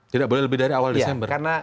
tidak boleh lebih dari awal desember